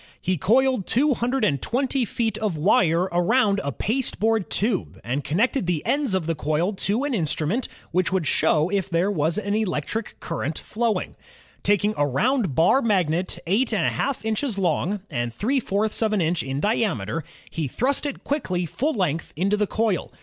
He coiled 220 feet of wire aroimd a pasteboard tube and connected the ends of the coil to an instrument which would show if there was an electric current flowing. Taking a round bar magnet eight and a half inches long and three fourths of an inch in diameter, he thrust it quickly full length into the coil.